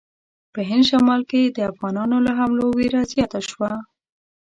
په هند شمال کې د افغانانو له حملو وېره زیاته شوه.